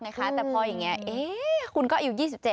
แต่พออย่างนี้คุณก็อายุ๒๗